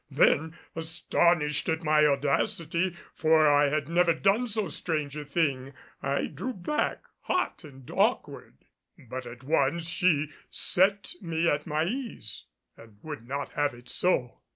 Then, astonished at my audacity for I had never done so strange a thing, I drew back, hot and awkward. But at once she set me at my ease and would not have it so.